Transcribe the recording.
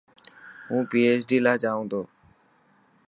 هون PHD لاءِ جائون تو.